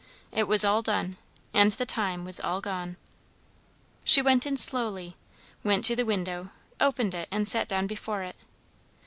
It was all done, and the time was all gone. She went in slowly, went to the window, opened it and sat down before it.